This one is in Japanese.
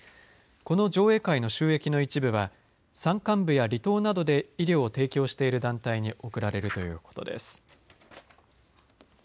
この上映会の収益の一部は山間部や離島などで医療を提供している団体に贈られるということです。